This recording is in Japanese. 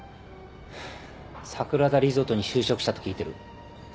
ハァ桜田リゾートに就職したと聞いてる。